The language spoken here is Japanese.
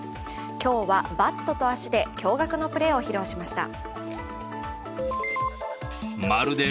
今日はバットと足で驚がくのプレーを披露しました。